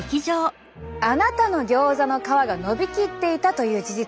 あなたのギョーザの皮がのびきっていたという事実。